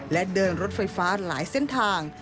และเดินรถไฟฟ้าหลายเส้นทาง